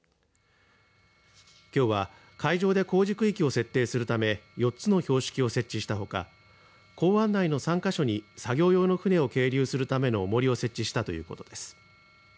きょうは海上で工事区域を設定するため４つの標識を設置したほか港湾内の３か所に作業用の船を係留するためのおもりを設置したということです。